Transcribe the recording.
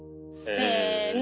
せの。